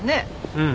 うん。